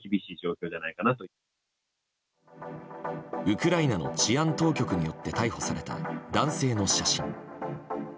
ウクライナの治安当局によって逮捕された男性の写真。